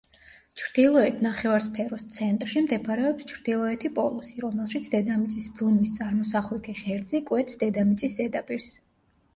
ჩრდილოეთ ნახევარსფეროს ცენტრში მდებარეობს ჩრდილოეთი პოლუსი, რომელშიც დედამიწის ბრუნვის წარმოსახვითი ღერძი კვეთს დედამიწის ზედაპირს.